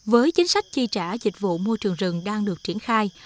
với chính sách chi trả dịch vụ môi trường rừng đang được triển khai